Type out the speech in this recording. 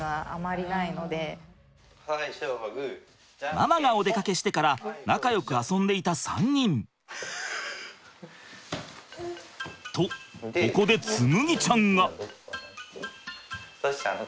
ママがお出かけしてから仲よく遊んでいた３人。とここで紬ちゃんが。